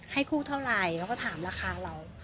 ให้คู่เท่าไหร่เราก็ถามราคาเรา